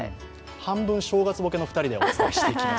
半分正月ぼけの人でお伝えしていきます。